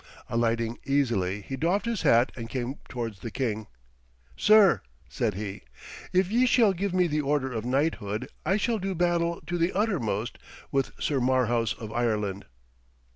Alighting easily, he doffed his hat and came towards the king: 'Sir,' said he, 'if ye will give me the order of knighthood, I shall do battle to the uttermost with Sir Marhaus of Ireland.'